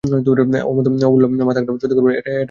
অমূল্য, মাথা খাও, সত্যি করে বলো, এ টাকা কোথায় পেলে?